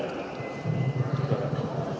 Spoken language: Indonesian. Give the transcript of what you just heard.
terima kasih pak yusril